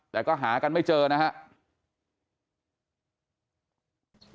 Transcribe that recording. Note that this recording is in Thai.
แต่ก็หากันไม่เจอนะครับ